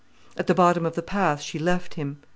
At the bottom of the path she left him.